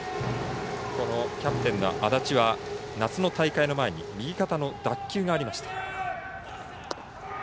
キャプテンの安達は夏の大会の前に右肩の脱臼がありました。